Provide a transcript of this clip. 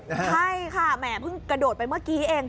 ใช่ค่ะแหมเพิ่งกระโดดไปเมื่อกี้เอง